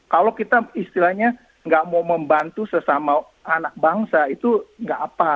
kalau kita istilahnya nggak mau membantu sesama anak bangsa itu nggak apa